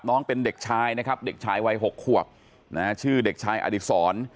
น้องเป็นเด็กชายนะครับเด็กชายวัย๖ขวบนะฮะชื่อเด็กชายอดิษร